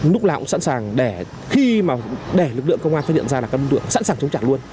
lúc nào cũng sẵn sàng để lực lượng công an phát hiện ra là các đối tượng sẵn sàng chống trả luôn